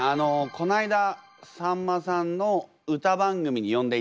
こないださんまさんの歌番組に呼んでいただいて。